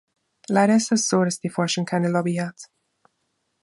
Leider ist es so, dass die Forschung keine Lobby hat.